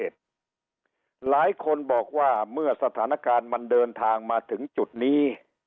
หลายคนบอกว่าเมื่อสถานการณ์มันเดินทางมาถึงจุดนี้